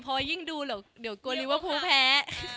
พอยิ่งดูเดี๋ยวกลัวลิเวอร์ครูแพ้